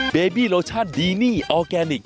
เบบี้โลชั่นดีนี่ออร์แกนิค